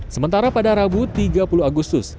sementara pada rabu tiga puluh agustus